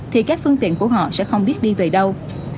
thì các phương tiện của họ sẽ không biết đi về đâu